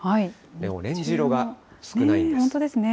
オレンジ色が少ないです。